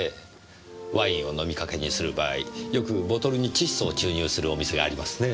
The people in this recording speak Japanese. ワインを飲みかけにする場合よくボトルに窒素を注入するお店がありますねぇ。